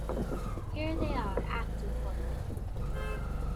Here they are acting for me.